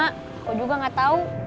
aku juga gak tau